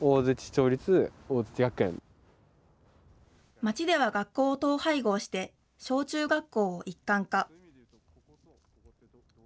町では学校を統廃合して、小中学校を一貫化。